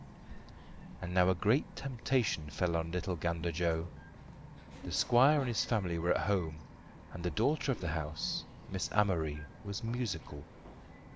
And now a great temptation fell on little Gander Joe. The squire and his family were at home, and the daughter of the house, Miss Amory, was musical.